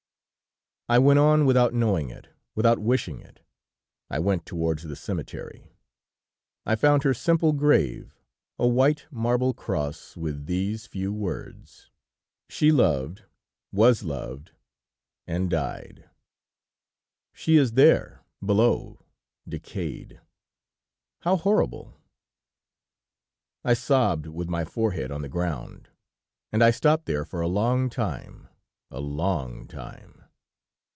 "I went on without knowing it, without wishing it; I went towards the cemetery. I found her simple grave, a white marble cross, with these few words: "'She loved, was loved, and died.' "She is there, below, decayed! How horrible! I sobbed with my forehead on the ground, and I stopped there for a long time, a long time.